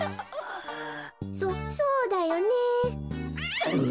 「そそうだよね」。